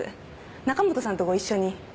中本さんとご一緒に。